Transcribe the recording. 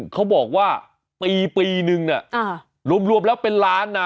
เขาบอกว่าปีนึงเนี่ยรวมแล้วเป็นล้านนะ